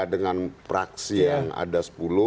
dengan praksi yang ada sepuluh